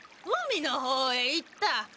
海の方へ行った。